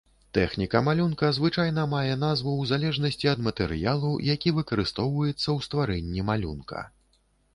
Тэхніка малюнка, звычайна, мае назву ў залежнасці ад матэрыялу, які выкарыстоўваецца ў стварэнні малюнка.